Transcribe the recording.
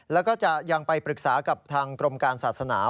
แล้วก็จะยังไปปรึกษากับทางกรมการศาสนา